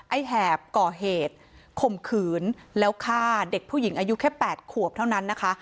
แหบก่อเหตุข่มขืนแล้วฆ่าเด็กผู้หญิงอายุแค่๘ขวบเท่านั้นนะคะ